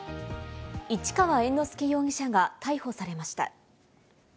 市川猿之助容疑者が逮捕されました。